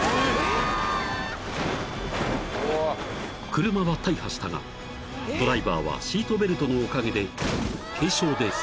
［車は大破したがドライバーはシートベルトのおかげで軽傷で済んだ］